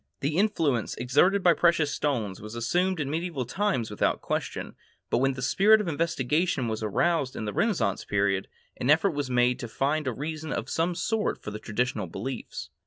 The influence exerted by precious stones was assumed in medieval times without question, but when the spirit of investigation was aroused in the Renaissance period, an effort was made to find a reason of some sort for the traditional beliefs.